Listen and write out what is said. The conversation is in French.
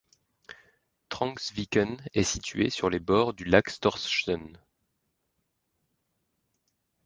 Trångsviken est situé sur les bords du lac Storsjön.